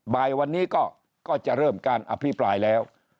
บ่ายวันนี้ก็จะเริ่มการอภิปรายแล้ว